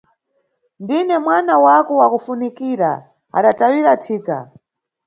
Ndine mwana wako wakufunikira adatawira thika.